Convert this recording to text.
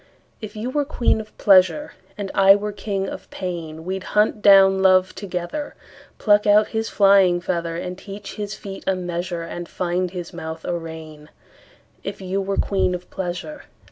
If you were queen of pleasure, And I were king of pain, We'd hunt down love together, Pluck out his flying feather, And teach his feet a measure, And find his mouth a rein; If you were queen of pleasure.